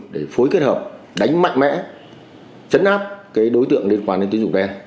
để phối kết hợp đánh mạnh mẽ chấn áp đối tượng liên quan đến tiến dụng đèn